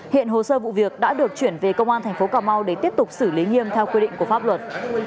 hiện hồ sơ vụ việc đã được chuyển về công an thành phố cà mau để tiếp tục xử lý nghiêm theo quy định của pháp luật